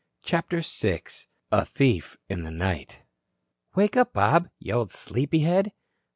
CHAPTER VI A THIEF IN THE NIGHT "Wake up, Bob, you old sleepyhead."